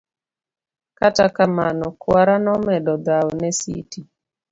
kata kamano kwara nomedo dhawo ne Siti